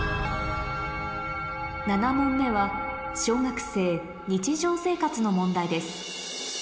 ７問目は小学生の問題です